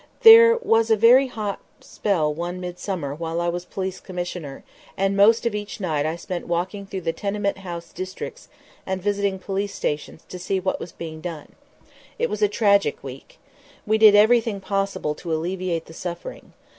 There was a very hot spell one midsummer while I was Police Commissioner, and most of each night I spent walking through the tenement house districts and visiting police stations to see what was being done. It was a tragic week. We did everything possible to alleviate the suffering.